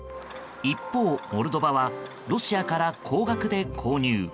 一方、モルドバはロシアから高額で購入。